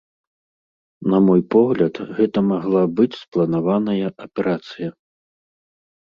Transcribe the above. На мой погляд, гэта магла быць спланаваная аперацыя.